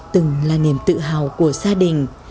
từng là niềm tự hào của gia đình